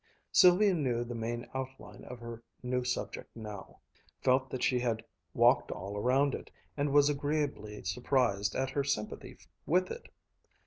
Sylvia knew the main outline of her new subject now, felt that she had walked all around it, and was agreeably surprised at her sympathy with it.